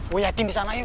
woyatin di sana yuk